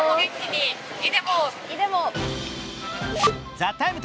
「ＴＨＥＴＩＭＥ，」